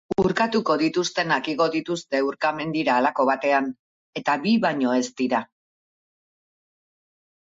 Urkatuko dituztenak igo dituzte urkamendira halako batean, eta bi baino ez dira.